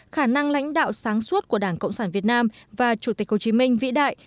khả năng lãnh đạo sáng suốt của đảng cộng sản việt nam và chủ tịch hồ chí minh vĩ đại